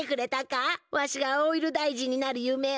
わしがオイルだいじんになる夢を。